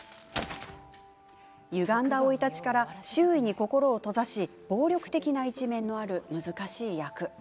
ゆがんだ生い立ちから周囲に心を閉ざし暴力的な一面のある難しい役。